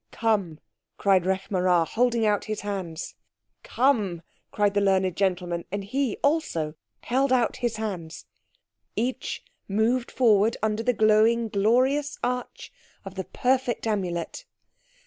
"Come!" cried Rekh marā, holding out his hands. "Come!" cried the learned gentleman, and he also held out his hands. Each moved forward under the glowing, glorious arch of the perfect Amulet.